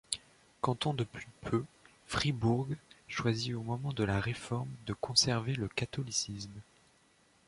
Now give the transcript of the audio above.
Canton depuis peu, Fribourg choisit au moment de la Réforme de conserver le catholicisme.